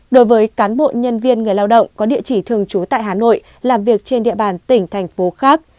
đối với cán bộ nhân viên người lao động có địa chỉ thường trú tại hà nội làm việc trên địa bàn tỉnh thành phố khác